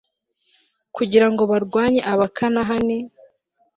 kugira ngo barwanye abakanahani